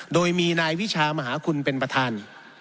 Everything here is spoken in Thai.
โดยมีนายวิชามหาคุณเป็นประธาน